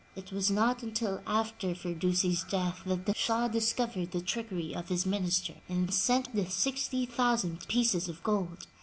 It was not until after Fir dusi's death that the Shah discovered the trickery of his minister and sent the 60,000 pieces of gold.